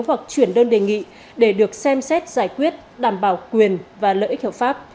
hoặc chuyển đơn đề nghị để được xem xét giải quyết đảm bảo quyền và lợi ích hợp pháp